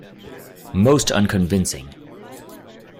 Most unconvincing!